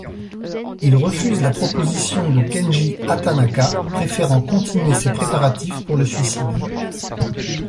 Il refuse la proposition de Kenji Hatanaka, préférant continuer ses préparatifs pour le suicide.